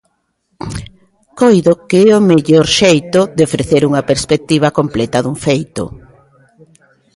Coido que é o mellor xeito de ofrecer unha perspectiva completa dun feito.